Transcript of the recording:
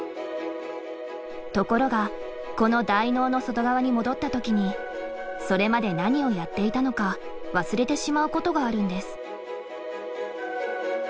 ところがこの大脳の外側に戻った時にそれまで何をやっていたのか忘れてしまうことがあるんです。